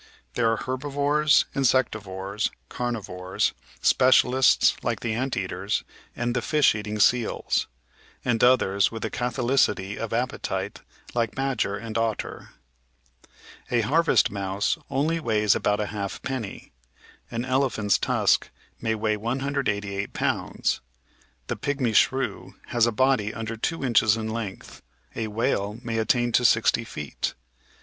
There are herbivores, insectivores, carnivores, specialists like the ant eaters 496 The Outline of Science and the fish eating seals, and others with a catholicity of appetite like badger and otter. A harvest mouse only weighs about a halfpenny, an elephant's tusk may weigh 188 pounds. The Pigmy Shrew has a body under 2 inches in length, a whale may attain to 60 feet.